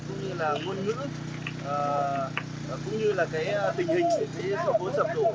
cũng như là ngôn ngữ cũng như là tình hình của sổ bối sập đổ